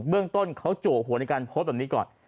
เรื่องต้นเขาจัวหัวในการโพสต์แบบนี้ก่อน